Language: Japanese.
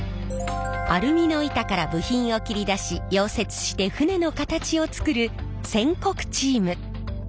アルミの板から部品を切り出し溶接して船の形を作る船殻チーム。